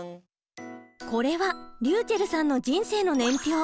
これはりゅうちぇるさんの人生の年表。